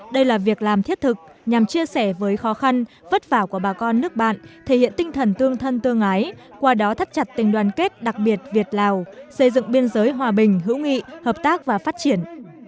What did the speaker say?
đây là việc làm thiết thực nhằm chia sẻ với khó khăn vất vả của bà con nước bạn thể hiện tinh thần tương thân tương ái qua đó thắt chặt tình đoàn kết đặc biệt việt lào xây dựng biên giới hòa bình hữu nghị hợp tác và phát triển